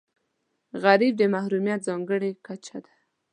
غربت د محرومیت ځانګړې کچه ده.